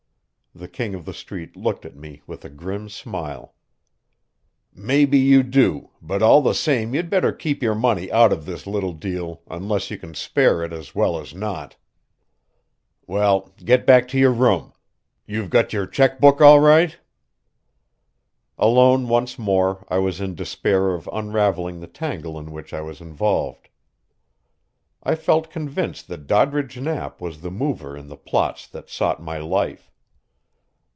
The King of the Street looked at me with a grim smile. "Maybe you do, but all the same you'd better keep your money out of this little deal unless you can spare it as well as not. Well, get back to your room. You've got your check book all right?" Alone once more I was in despair of unraveling the tangle in which I was involved. I felt convinced that Doddridge Knapp was the mover in the plots that sought my life.